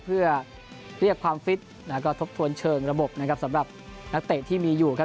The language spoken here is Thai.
เพื่อเรียกความฟิตแล้วก็ทบทวนเชิงระบบนะครับสำหรับนักเตะที่มีอยู่ครับ